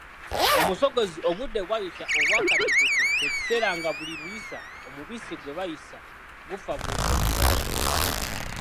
Omusogozi obudde bwayita obwakateketwe kye kiseera nga buli luyiisa, omubisi gwe bayiisa gufabufiirira.